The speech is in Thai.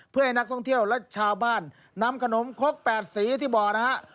เพื่อให้นักท่องเที่ยวและชาวบ้านนำขนมคก๘สีที่บอกนะฮะ